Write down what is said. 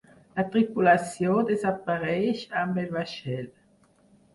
La tripulació desapareix amb el vaixell.